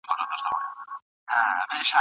د حوا مینه کې موږ دواړو کفاره ورکړله